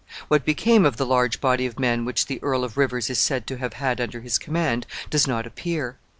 What became of the large body of men which the Earl of Rivers is said to have had under his command does not appear.